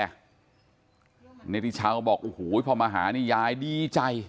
เหน็ดตีเช้าบอกหู้ยพอมาถานี่ยายดีใจ